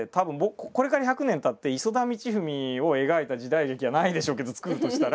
これから１００年たって磯田道史を描いた時代劇はないでしょうけど作るとしたら。